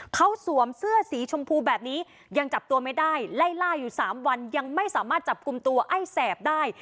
เขาสวมเสื้อสีชมพูแบบนี้ยังจับตัวไม่ได้ไล่ล่าอยู่๓วันยังไม่สามารถจับกลุ่มตัวไอ้แสบได้